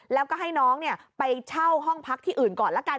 แล้วก็ให้น้องไปเช่าห้องพักที่อื่นก่อนละกัน